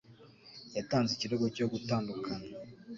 Yatanze ikirego cyo gutandukana.